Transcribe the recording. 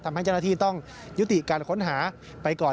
ทำให้เจ้าหน้าที่ต้องยุติการค้นหาไปก่อน